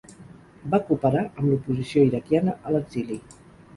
Va cooperar amb l'oposició iraquiana a l'exili.